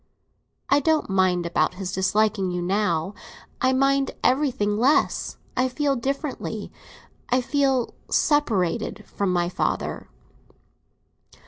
"I don't mind about his disliking you now; I mind everything less. I feel differently; I feel separated from my father."